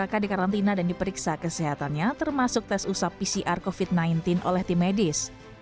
mereka dikarantina dan diperiksa kesehatannya termasuk tes usap pcr covid sembilan belas oleh tim medis